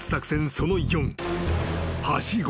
その４］